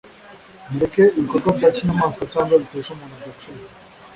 mureke ibikorwa bya kinyamaswa cyangwa bitesha umuntu agaciro